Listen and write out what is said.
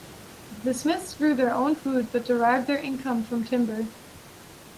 The Smiths grew their own food but derived their income from timber.